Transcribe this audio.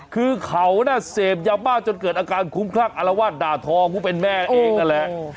คือเขาน่ะเสพยาบ้าจนเกิดอาการคุ้มคลั่งอารวาสด่าทอผู้เป็นแม่เองนั่นแหละ